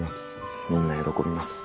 みんな喜びます。